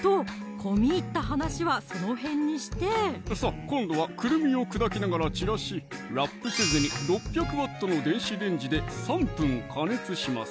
込み入った話はその辺にしてさぁ今度はくるみを砕きながら散らしラップせずに６００Ｗの電子レンジで３分加熱します